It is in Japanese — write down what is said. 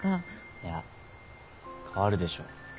いや変わるでしょ。